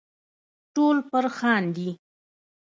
ټول پر خاندي .